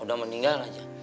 udah meninggal aja